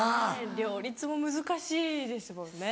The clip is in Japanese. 両立も難しいですもんね。